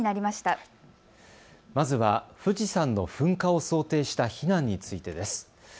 まずは富士山の噴火を想定した避難についてです。